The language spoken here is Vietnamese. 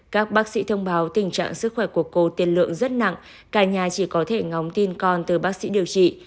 các bác sĩ thông báo tình trạng sức khỏe của cô tiền lượng rất nặng cả nhà chỉ có thể ngóng tin con từ bác sĩ điều trị